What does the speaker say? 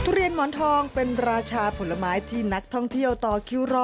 เรียนหมอนทองเป็นราชาผลไม้ที่นักท่องเที่ยวต่อคิวรอ